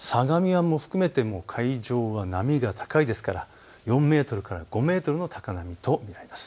相模湾も含めて海上は波が高いですから、４メートルから５メートルの高波と見られます。